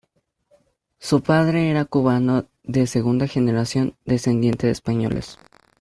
Su padre era cubano de segunda generación, descendiente de españoles.